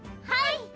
はい！